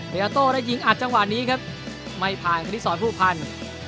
ยาโต้ได้ยิงอัดจังหวะนี้ครับไม่ผ่านคณิตสอนผู้พันธุ์